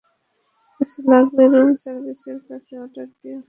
কিছু লাগলে রুম-সার্ভিসের কাছে অর্ডার দিও।